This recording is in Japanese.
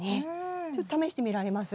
ちょっと試してみられます？